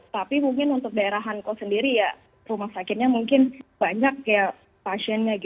tapi mungkin untuk daerah hanko sendiri ya rumah sakitnya mungkin banyak ya pasiennya